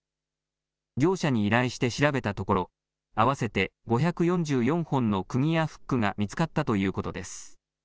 業者に依頼して調べたところ合わせて５４４本のくぎやフックが見つかったということです。